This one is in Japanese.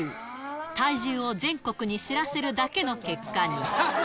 体重を全国に知らせるだけの結果に。